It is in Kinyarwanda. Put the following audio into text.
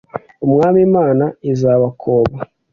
umwami imana izabakoba